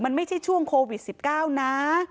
มันไม่ใช่ช่วงโควิด๑๙นะ